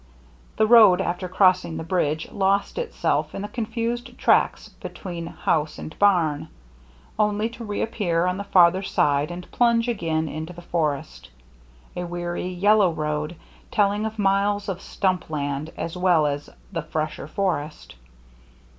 The road, after crossing the bridge, lost itself in the confused tracks between house and barn, only to reappear on the farther side and plunge again into the forest, — a weary, yellow road, telling of miles of stump land as well as of the fresher forest.